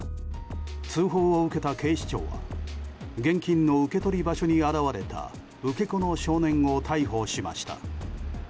通報を受けた警視庁は現金の受け取り場所に現れた受け子の少年を逮捕しました。